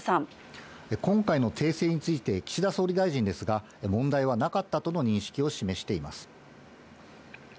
今回の訂正について岸田総理大臣ですが、問題はなかったとの認識を示しています。